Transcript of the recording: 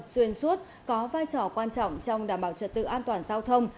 xuyên suốt có vai trò quan trọng trong đảm bảo trật tự an toàn giao thông